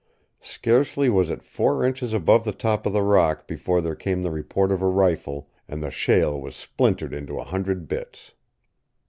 Scarcely was it four inches above the top of the rock before there came the report of a rifle, and the shale was splintered into a hundred bits.